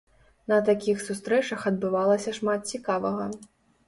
На такіх сустрэчах адбывалася шмат цікавага.